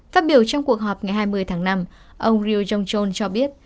phát biểu trong cuộc họp ngày hai mươi tháng năm ông rio jong chol cho biết